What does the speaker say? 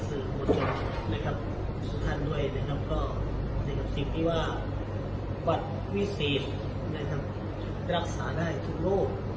สุทธันด้วยที่ว่าปรัสวิเศษรักษาได้ทุกโลก